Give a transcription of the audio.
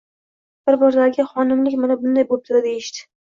Bir-birlariga "Xonimlik mana bunday bo'pti-da», deyishdi.